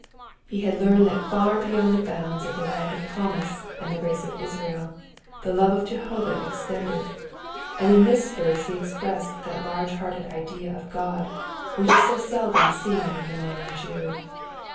He had learned that far beyond the bounds of the land of promise and the race of Israel the love of Jehovah extended, and in this verse he expressed that large hearted idea of God which is so seldom seen in the modern Jew.